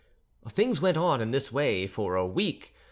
Things went on in this way for a week.